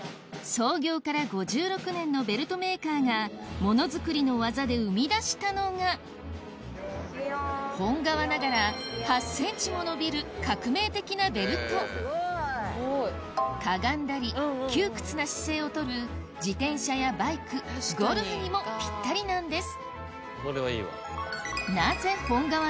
創業から５６年のベルトメーカーがモノづくりの技で生み出したのが本革ながら８ｃｍも伸びる革命的なベルトかがんだり窮屈な姿勢をとる自転車やバイクゴルフにもぴったりなんです